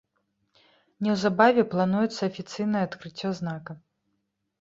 Неўзабаве плануецца афіцыйнае адкрыццё знака.